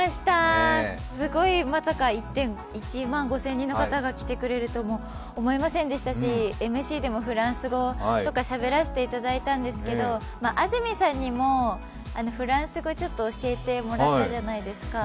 すごい、まさか１万５０００人の方が来てくださるとは思いませんでしたしＭＣでもフランス語とかしゃべらせていただいたんですけど安住さんにもフランス語、ちょっと教えてもらったじゃないですか。